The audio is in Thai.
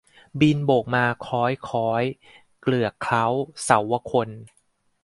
บินโบกมาค้อยค้อย เกลือกเคล้าเสาวคนธ์